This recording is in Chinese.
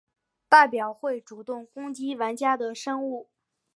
代表会主动攻击玩家的生物。